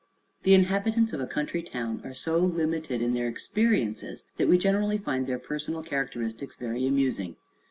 The inhabitants of a country town are so limited in their experiences that we generally find their personal characteristics very amusing.